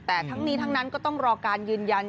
แต่ทั้งนี้ทั้งนั้นก็ต้องรอการยืนยัน